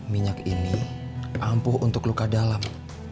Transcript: minyak ini ampuh untuk luka dalam